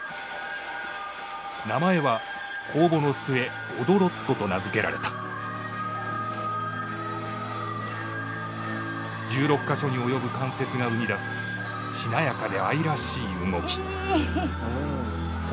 名前は公募の末オドロットと名付けられた１６か所に及ぶ関節が生み出すしなやかで愛らしい動きうん